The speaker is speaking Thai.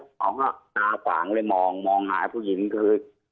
เขาก็ตาขวางเลยมองมองหาผู้หญิงก็คือ